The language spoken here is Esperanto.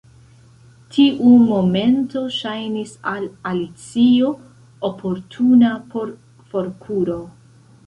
Tiu momento ŝajnis al Alicio oportuna por forkuro.